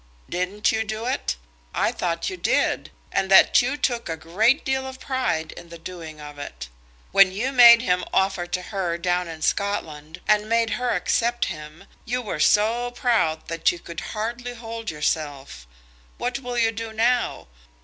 "Didn't you do it? I thought you did, and that you took a great deal of pride in the doing of it. When you made him offer to her down in Scotland, and made her accept him, you were so proud that you could hardly hold yourself. What will you do now?